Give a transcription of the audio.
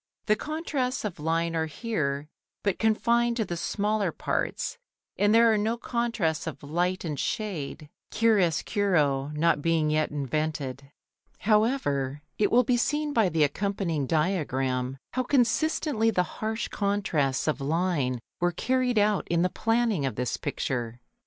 The contrasts of line are here but confined to the smaller parts, and there are no contrasts of light and shade, chiaroscuro not being yet invented. However, it will be seen by the accompanying diagram how consistently the harsh contrasts of line were carried out in the planning of this picture.